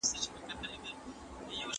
د ژوند په شور کښې، ځنې ځنې آوازونه اوره.